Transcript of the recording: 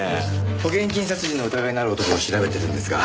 保険金殺人の疑いのある男を調べているんですが。